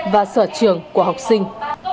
và sở trường của học sinh